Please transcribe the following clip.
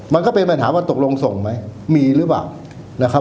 มันก็เป็นปัญหาว่าตกลงส่งไหมมีหรือเปล่านะครับ